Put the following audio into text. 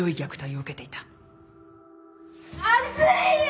熱いよ！